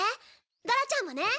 ドラちゃんもね。